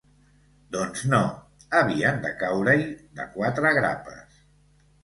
Doncs no, havien de caure-hi de quatre grapes!